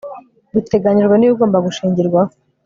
biteganijwe n ibigomba gushingirwaho